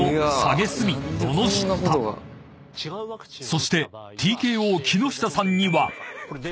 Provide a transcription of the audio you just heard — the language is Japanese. ［そしてＴＫＯ木下さんには］